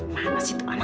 mana sih tuh anak